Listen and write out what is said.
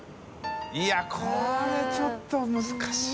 いこれちょっと難しい。